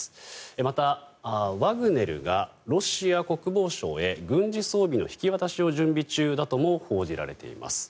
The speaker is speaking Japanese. また、ワグネルがロシア国防省へ軍事装備の引き渡しを準備中だとも報じられています。